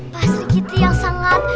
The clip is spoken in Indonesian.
pas dikit dikit yang sangat